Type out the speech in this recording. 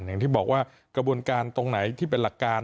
อย่างที่บอกว่ากระบวนการตรงไหนที่เป็นหลักการ